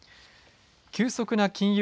急速な金融